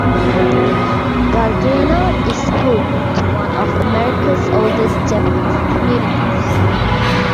Gardena is home to one of America's oldest Japanese communities.